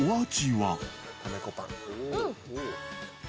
うん！